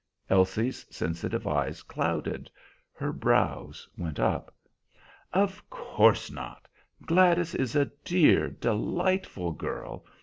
Elsie's sensitive eyes clouded. Her brows went up. "Of course not. Gladys is a dear, delightful girl.